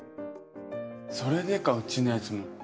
それでかうちのやつも。